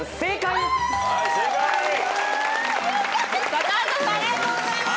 高畑さんありがとうございます。